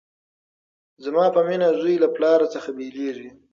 زما په مینه زوی له پلار څخه بیلیږي